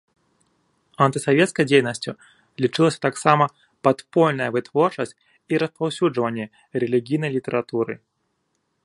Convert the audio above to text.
Антысавецкай дзейнасцю лічылася таксама падпольная вытворчасць і распаўсюджванне рэлігійнай літаратуры.